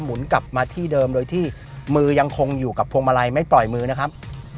หนกลับมาที่เดิมโดยที่มือยังคงอยู่กับพวงมาลัยไม่ปล่อยมือนะครับ